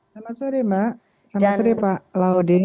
selamat sore mbak selamat sore pak laudin